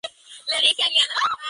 Para el nuevo St.